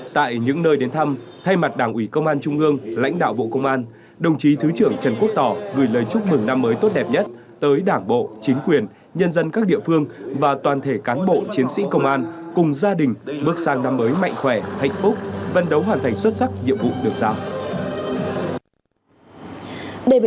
tại những nơi đến thăm thay mặt đảng ủy công an trung ương lãnh đạo bộ công an đồng chí thứ trưởng trần quốc tỏ gửi lời chúc mừng năm mới tốt đẹp nhất tới đảng bộ chính quyền nhân dân các địa phương và toàn thể cán bộ chiến sĩ công an cùng gia đình bước sang năm mới mạnh khỏe hạnh phúc vận đấu hoàn thành xuất sắc nhiệm vụ được giảm